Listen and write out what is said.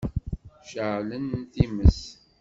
Ceɛlen times.